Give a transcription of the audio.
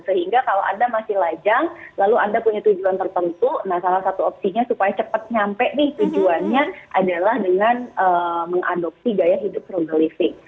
sehingga kalau anda masih lajang lalu anda punya tujuan tertentu nah salah satu opsinya supaya cepat nyampe nih tujuannya adalah dengan mengadopsi gaya hidup frugal living